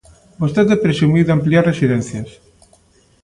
Vostede presumiu de ampliar residencias.